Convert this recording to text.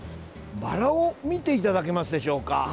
バラを見ていただけますでしょうか。